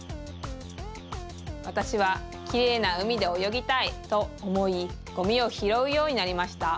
わたしはきれいなうみでおよぎたい！とおもいゴミをひろうようになりました。